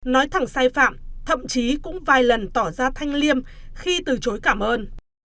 nói thẳng sai phạm thậm chí cũng vài lần tỏ ra thanh liêm khi từ chối cảm ơn